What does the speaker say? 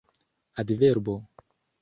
adverbo